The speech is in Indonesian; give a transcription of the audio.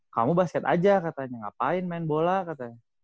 kamu basket aja katanya ngapain main bola katanya